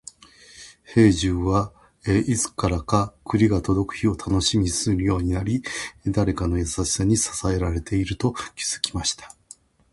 兵十は、いつからか栗が届く日を楽しみにするようになり、誰かの優しさに支えられていると気づきました。